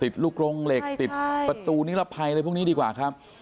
ลูกโรงเหล็กติดประตูนิรภัยอะไรพวกนี้ดีกว่าครับ